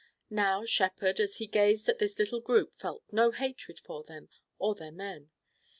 Now Shepard as he gazed at this little group felt no hatred for them or their men.